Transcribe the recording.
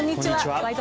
「ワイド！